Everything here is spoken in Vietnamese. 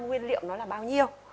nguyên liệu nó là bao nhiêu